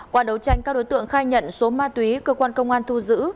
qua đấu tranh các đối tượng khai nhận số ma túy cơ quan công an thu giữ